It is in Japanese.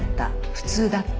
「普通だった」